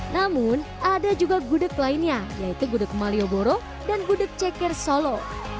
namun ada juga gudeg lainnya yaitu gudeg malioboro dan gudeg ceker solo